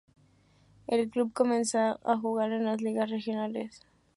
El club comenzó a jugar en las ligas regionales.